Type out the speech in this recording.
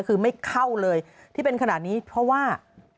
คือไม่เข้าเลยที่เป็นขนาดนี้เพราะว่า